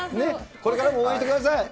これからも応援してください。